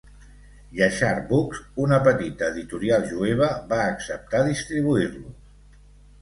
Yashar Books, una petita editorial jueva, va acceptar distribuir-los.